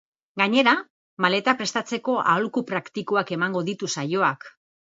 Gainera, maleta prestatzeko aholku praktikoak emango ditu saioak.